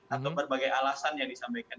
atau berbagai alasan yang disampaikan